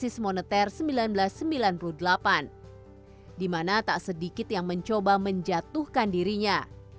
krisis moneter seribu sembilan ratus sembilan puluh delapan dimana tak sedikit yang mencoba menjatuhkan dirinya